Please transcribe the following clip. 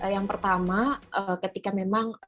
yang pertama ketika memang